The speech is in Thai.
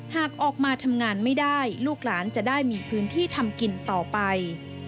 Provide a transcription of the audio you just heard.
หากออกมาทำงานไม่ได้ลูกหลานจะได้มีพื้นที่ทำกินต่อไป